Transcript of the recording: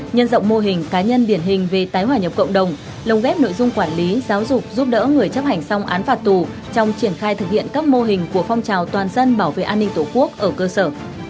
nhân rộng mô hình cá nhân điển hình về tái hòa nhập cộng đồng lồng ghép nội dung quản lý giáo dục giúp đỡ người chấp hành xong án phạt tù trong triển khai thực hiện các mô hình của phong trào toàn dân bảo vệ an ninh tổ quốc ở cơ sở